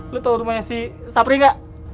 lo tau rumahnya si sapri gak